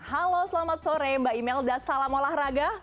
halo selamat sore mbak imelda salam olahraga